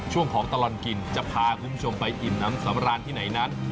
ช่วงของตลอดกินจะพาคุณผู้ชมไปอิ่มน้ำสำราญที่ไหนนั้น